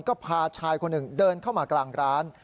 ก็พาชายคนหนึ่งเดินเข้ามากลางร้าน